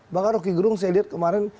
bahkan rocky gerung saya lihat kemarin